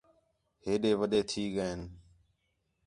ہیݙے وݙے تھی ڳئین